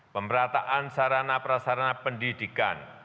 pemberataan sarana prasarana pendidikan